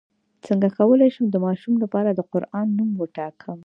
څنګه کولی شم د ماشوم لپاره د قران نوم وټاکم